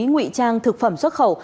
ngụy trang thực phẩm xuất khẩu